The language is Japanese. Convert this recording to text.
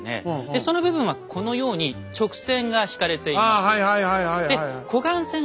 その部分はこのように直線が引かれています。